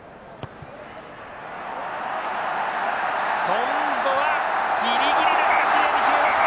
今度はギリギリですがきれいに決まりました！